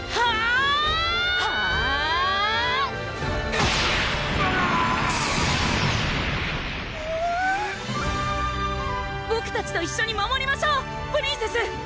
えるぅボクたちと一緒に守りましょうプリンセス！